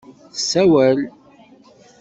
Tessawel.